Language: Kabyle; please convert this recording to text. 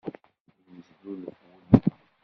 Yennezlulef wul-iw.